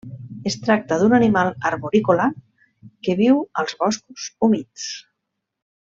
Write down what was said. Es tracta d'un animal arborícola que viu als boscos humits.